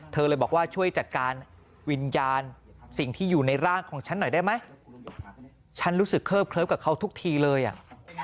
เธอเลยบอกว่าช่วยจัดการวิญญาณสิ่งที่อยู่ในร่างของฉันหน่อยได้ไหมฉันรู้สึกเคิบเคลิฟกับเขาทุกทีเลยอ่ะ